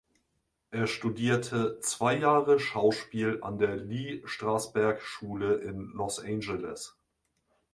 Er studierte zwei Jahre Schauspiel an der Lee-Strasberg-Schule in Los Angeles.